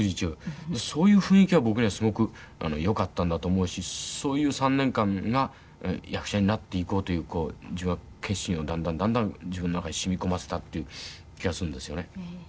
そういう雰囲気は僕にはすごくよかったんだと思うしそういう３年間が役者になっていこうという自分は決心をだんだんだんだん自分の中に染み込ませたっていう気がするんですよね。